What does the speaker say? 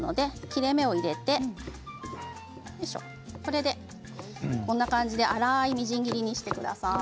切れ目を入れてこんな感じで粗いみじん切りにしてください。